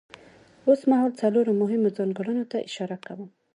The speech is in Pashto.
اوسمهال څلورو مهمو ځانګړنو ته اشاره کوم.